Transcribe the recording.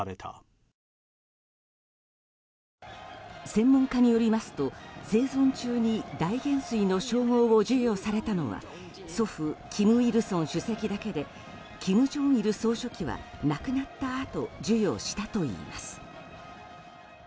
専門家によりますと、生存中に大元帥の称号を授与されたのは祖父・金日成主席だけで金正日総書記は亡くなったあと授与したといいます。